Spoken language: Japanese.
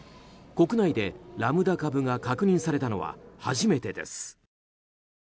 国内でラムダ株が確認されたのは初めてです。